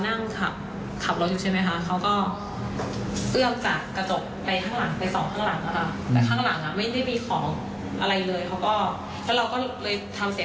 ทางนั้นมันแปลกอยู่ที่ว่าเขาไม่ได้ขอที่จัดขนรถอยู่ดี